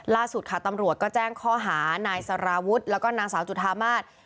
ล่าสุดค่ะตำรวจก็แจ้งข้อหานายสารวุฒิแล้วก็นางสาวจุธามาศ